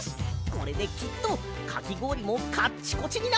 これできっとかきごおりもカッチコチになっているぞ。